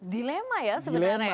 dilema ya sebenarnya ya